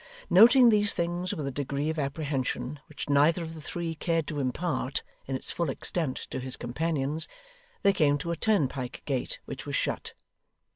Noting these things with a degree of apprehension which neither of the three cared to impart, in its full extent, to his companions, they came to a turnpike gate, which was shut.